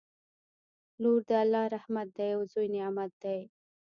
لور د الله رحمت دی او زوی نعمت دی